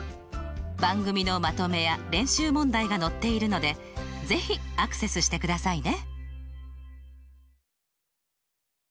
番組のまとめや練習問題が載っているので是非アクセスしてくださいね！